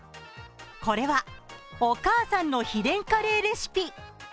これは、お母さんの秘伝カレーレシピ。